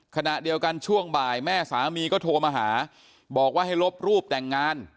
ขณะเดียวกันช่วงบ่ายแม่สามีก็โทรมาหาบอกว่าให้ลบรูปแต่งงาน